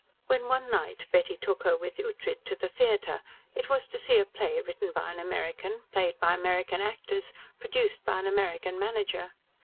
When, one night, Betty took her with Ughtred to the theatre, it was to see a play written by an American, played by American actors, produced by an American manager.